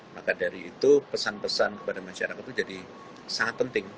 maka dari itu pesan pesan kepada masyarakat itu jadi sangat penting